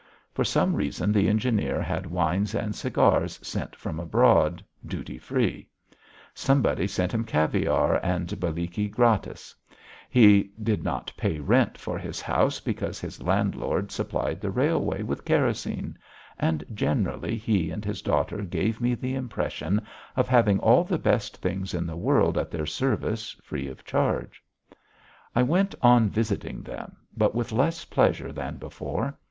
For some reason the engineer had wines and cigars sent from abroad duty free; somebody sent him caviare and baliki gratis; he did not pay rent for his house because his landlord supplied the railway with kerosene, and generally he and his daughter gave me the impression of having all the best things in the world at their service free of charge. I went on visiting them, but with less pleasure than before.